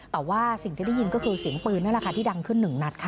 แต่ว่าสิ่งที่ได้ยินก็คือเสียงปืนนั่นแหละค่ะที่ดังขึ้นหนึ่งนัดค่ะ